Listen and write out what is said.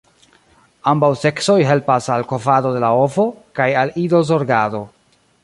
Ambaŭ seksoj helpas al kovado de la ovo, kaj al idozorgado.